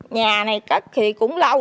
nhà này cắt thì cũng lâu